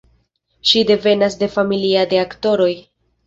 Ŝi devenas de familia de aktoroj.